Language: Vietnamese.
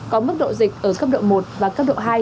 có mức độ dịch ở cấp độ một và cấp độ hai